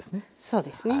そうですね。